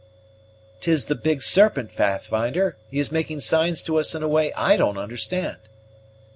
"'Tis the Big Serpent, Pathfinder; he is making signs to us in a way I don't understand."